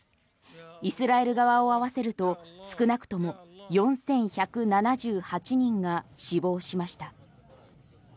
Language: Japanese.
イスラエル側を合わせると少なくとも４１７８人が死亡しました。